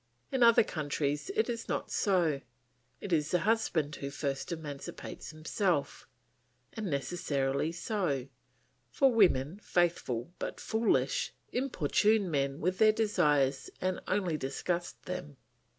In other countries it is not so; it is the husband who first emancipates himself; and necessarily so, for women, faithful, but foolish, importune men with their desires and only disgust them.